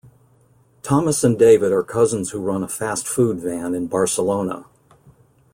Thomas and David are cousins who run a fast food van in Barcelona.